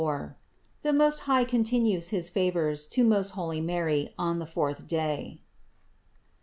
THE MOST HIGH CONTINUES HIS FAVORS TO MOST HOLY MARY ON THE FOURTH DAY.